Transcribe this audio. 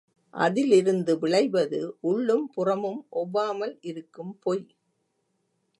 அதிலிருந்து விளைவது உள்ளும் புறமும் ஒவ்வாமல் இருக்கும் பொய்.